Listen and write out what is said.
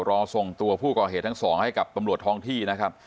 รอส่งตัวผู้ก่อเหตุทั้งสองให้กับตำรวจท้องที่นะครับ